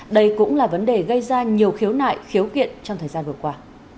đây cũng là vấn đề gây ra nhiều khiếu nại khiếu kiện trong thời gian vừa qua